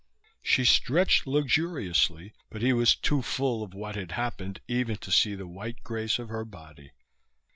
She stretched luxuriously, but he was too full of what had happened even to see the white grace of her body.